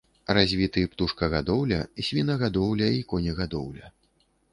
Развіты птушкагадоўля, свінагадоўля і конегадоўля.